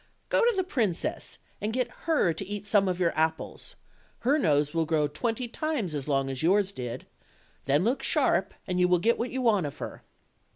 Go to the princess and get her to eat some of your apples; her nose will grow twenty times as long as yours did; then look sharp, and you will get what you want of her."